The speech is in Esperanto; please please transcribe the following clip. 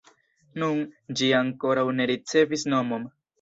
Nun, ĝi ankoraŭ ne ricevis nomon.